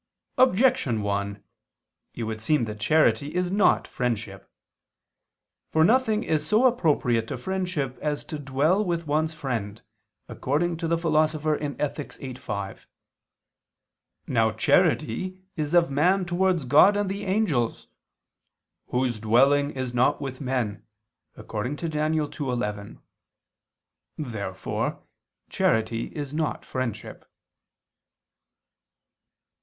Objection 1: It would seem that charity is not friendship. For nothing is so appropriate to friendship as to dwell with one's friend, according to the Philosopher (Ethic. viii, 5). Now charity is of man towards God and the angels, "whose dwelling [Douay: 'conversation'] is not with men" (Dan. 2:11). Therefore charity is not friendship.